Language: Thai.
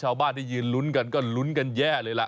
ชาวบ้านที่ยืนลุ้นกันก็ลุ้นกันแย่เลยล่ะ